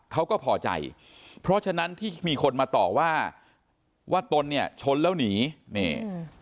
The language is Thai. เขาก็พอใจเพราะฉะนั้นที่มีคนมาต่อว่าว่าตนเนี่ยชนแล้วหนีนี่